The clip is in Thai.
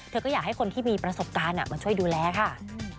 ก็อยากให้คนที่มีประสบการณ์มาช่วยดูแลค่ะ